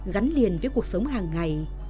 gắn liền với cuộc sống hàng ngày